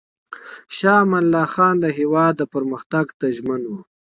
شاه امان الله خان د هېواد پرمختګ ته ژمن و.